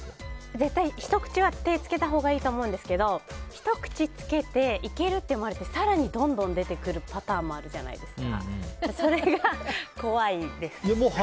絶対ひと口は手をつけたほうがいいと思うんですけど、ひと口つけていけるって思われて更にどんどん出てくるパターンもあるじゃないですか。